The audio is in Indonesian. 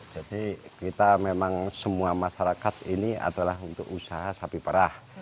jadi kita memang semua masyarakat ini adalah untuk usaha sapi perah